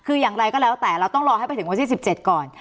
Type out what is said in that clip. คืออย่างไรก็แล้วแต่เราต้องรอให้ไปถึงวันที่๑๗ก่อน